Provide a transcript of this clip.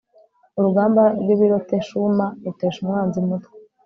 urugamba rw'ibiteroshuma rutesha umwanzi umutwe